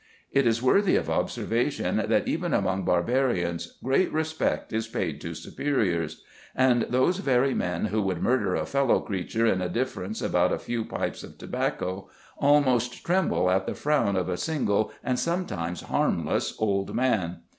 It is worthy of observation, that even among barbarians great respect is paid to superiors ; and those very men, who would murder a fellow creature in a difference about a few pipes of tobacco, almost tremble at the frown of a single and sometimes harmless old man.